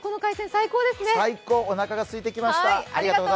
最高、おなかがすいてきました。